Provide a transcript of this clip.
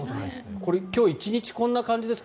これ、今日１日こんな感じですか？